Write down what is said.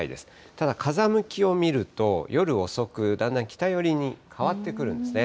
ただ、風向きを見ると、夜遅く、だんだん北寄りに変わってくるんですね。